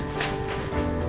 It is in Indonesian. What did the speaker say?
aku mau ke rumah